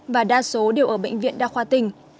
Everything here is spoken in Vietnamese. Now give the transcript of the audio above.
và đa số đều ở bệnh viện đa khoa tỉnh